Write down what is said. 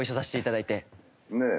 「ねえ」